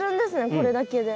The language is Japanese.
これだけで。